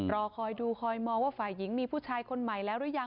รอคอยดูคอยมองว่าฝ่ายหญิงมีผู้ชายคนใหม่แล้วหรือยัง